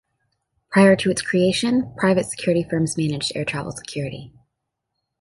Prior to its creation, private security firms managed air travel security.